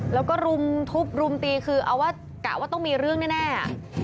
แล้วก็รุมทุบรุมตีคือเอาว่ากะว่าต้องมีเรื่องแน่